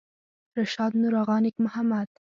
رشاد نورآغا نیک محمد